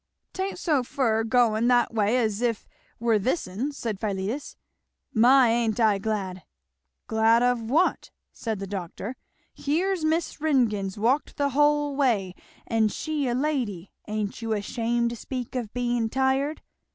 "'Tain't so fur going that way as it were this'n," said Philetus. "My! ain't I glad." "Glad of what?" said the doctor. "Here's Miss Ringgan's walked the whole way, and she a lady ain't you ashamed to speak of being tired?"